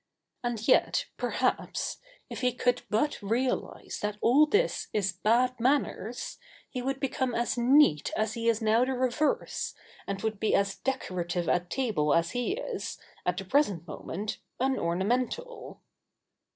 And yet, perhaps, if he could but realise that all this is "bad manners," he would become as neat as he is now the reverse, and would be as decorative at table as he is, at the present moment, unornamental.